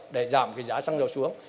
để giảm cái giá xăng dầu xuống